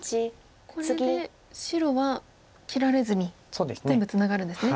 これで白は切られずに全部ツナがるんですね。